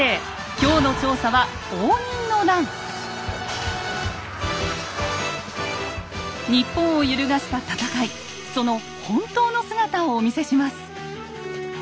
今日の調査は日本を揺るがした戦いその本当の姿をお見せします。